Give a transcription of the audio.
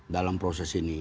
dalam proses ini